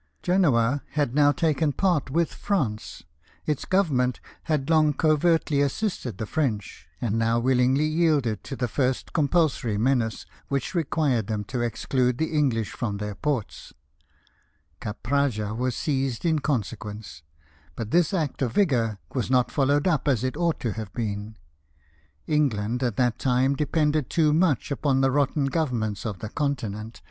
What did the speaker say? Genoa had now taken part with France ; its Government had long covertly assisted the French, and now willingly yielded to the first compulsory menace which requned them to exclude the English from their ports. Capraja was seized in consequence; but this act of vigour was not followed up as it ought to have been. England at that time depended too much upon the rotten governments of the Continent H 98 LIFE OF NELSON.